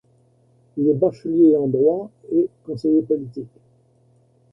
Il est bachelier en droit et conseiller politique.